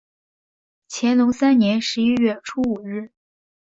乾隆三年十一月初五日。